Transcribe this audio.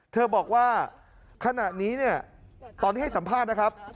เธอบอกว่าขณะนี้เนี่ยตอนที่ให้สัมภาษณ์นะครับ